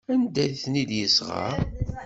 Anda ay ten-id-yesɣa?